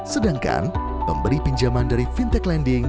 sedangkan pemberi pinjaman dari fintech lending adalah pihak bank itu sendiri